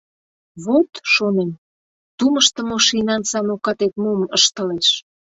Вот, шонем, тумыштымо шинан самокатет мом ыштылеш!